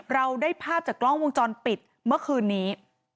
เราได้ภาพจากกล้องวงจรปิดเมื่อคืนนี้